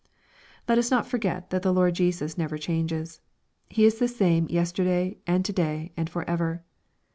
Let us not forget that the Lord Jesus never changes. He is the same yesterday, and to day, and for ever.